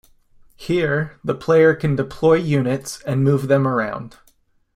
Here, the player can deploy units and move them around.